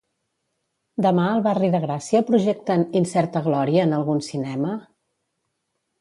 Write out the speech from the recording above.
Demà al barri de Gràcia projecten "Incerta glòria" en algun cinema?